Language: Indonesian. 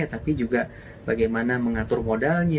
tapi juga bagaimana mengatur modalnya